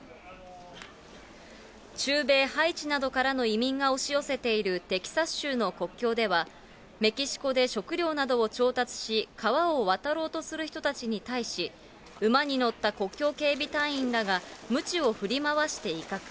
中米ハイチなどからの移民が押し寄せているテキサス州の国境では、メキシコで食料などを調達し、川を渡ろうとする人たちに対し、馬に乗った国境警備隊員らがむちを振り回していかく。